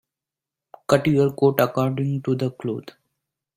Cut your coat according to the cloth.